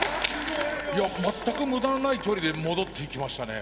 全く無駄のない距離で戻っていきましたね。